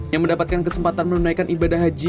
yang mendapatkan kesempatan menunaikan ibadah haji